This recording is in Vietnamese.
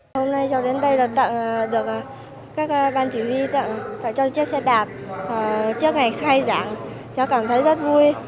hôm nay cho đến đây là tặng được các ban chỉ huy tặng cho chiếc xe đạp chiếc này hay dạng cho cảm thấy rất vui